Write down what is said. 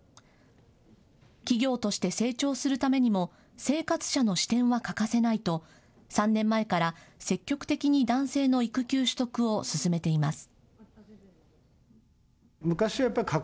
企業として成長するためにも生活者の視点は欠かせないと３年前から積極的に男性の育休取得を進めています。